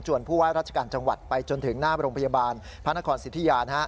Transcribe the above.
ผู้ว่าราชการจังหวัดไปจนถึงหน้าโรงพยาบาลพระนครสิทธิยา